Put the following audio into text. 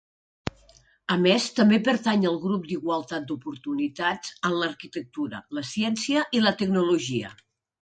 A més també pertany al Grup d'Igualtat d'Oportunitats en l'Arquitectura, la Ciència i la Tecnologia.